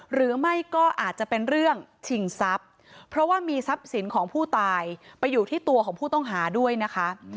หรือไม่ก็อาจจะเป็นเรื่องชิงทรัพย์เพราะว่ามีทรัพย์สินของผู้ตายไปอยู่ที่ตัวของผู้ต้องหาด้วยนะคะ